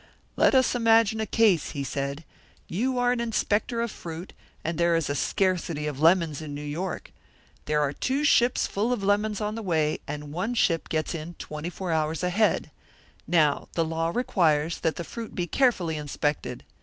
"'Let us imagine a case,' he said. 'You are an inspector of fruit, and there is a scarcity of lemons in New York. There are two ships full of lemons on the way, and one ship gets in twenty four hours ahead. Now the law requires that the fruit be carefully inspected.